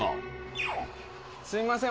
すみません。